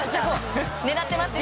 狙ってますよ？